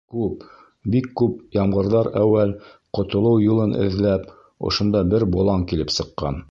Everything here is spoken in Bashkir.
Күп, бик күп ямғырҙар әүәл, ҡотолоу юлын эҙләп, ошонда бер болан килеп сыҡҡан.